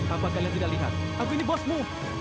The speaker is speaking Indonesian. apa kalian tidak lihat aku ini bosmu